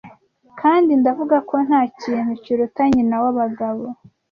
Kandi ndavuga ko ntakintu kiruta nyina wabagabo.